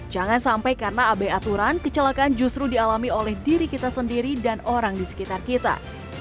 jangan sampai karena abai aturan kecelakaan justru dialami oleh diri kita sendiri dan orang di sekitar kita